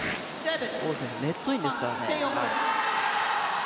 黄選手、ネットインですからね。